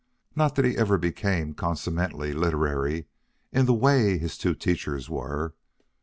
Not that he ever became consummately literary in the way his two teachers were.